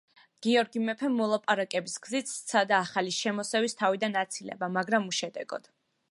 გიორგი მეფემ მოლაპარაკების გზით სცადა ახალი შემოსევის თავიდან აცილება მაგრამ უშედეგოდ.